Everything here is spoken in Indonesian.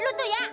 ya lu tuh ya